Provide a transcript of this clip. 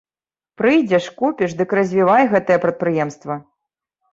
Прыйдзеш, купіш, дык развівай гэтае прадпрыемства.